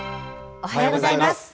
おはようございます。